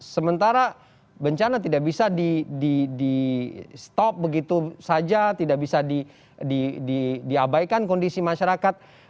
sementara bencana tidak bisa di stop begitu saja tidak bisa diabaikan kondisi masyarakat